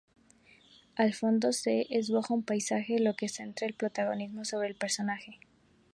Al fondo se esboza un paisaje, lo que centra el protagonismo sobre el personaje.